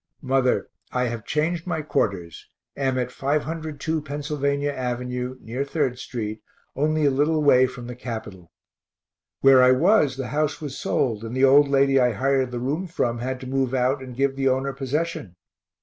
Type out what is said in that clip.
Mother, I have changed my quarters am at 502 Pennsylvania av., near 3d street, only a little way from the Capitol. Where I was, the house was sold and the old lady I hired the room from had to move out and give the owner possession.